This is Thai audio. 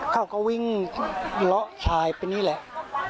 เขาก็วิ่งละสายไปนี่นะครับ